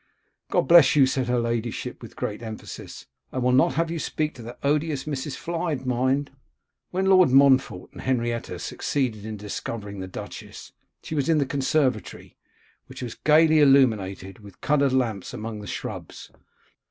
'God bless you,' said her ladyship, with great emphasis. 'I will not have you speak to that odious Mrs. Floyd, mind.' When Lord Montfort and Henrietta succeeded in discovering the duchess, she was in the conservatory, which was gaily illuminated with coloured lamps among the shrubs.